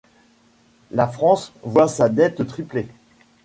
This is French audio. La France voit sa dette tripler.